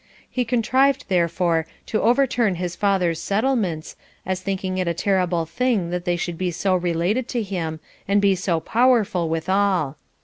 He contrived, therefore, to overturn his father's settlements, as thinking it a terrible thing that they should be so related to him, and be so powerful withal.